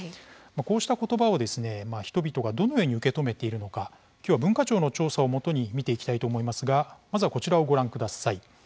こうした言葉を人々がどのように受け止めているのか今日は文化庁の調査をもとに見ていきたいと思いますがまずはこちらをご覧ください。